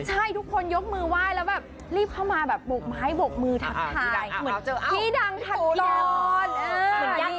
ใช่ทุกคนหยกมือวายแล้วรีบเข้ามาแบบบวกไม้บวกมือทักทาย